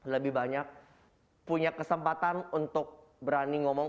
lebih banyak punya kesempatan untuk berani ngomong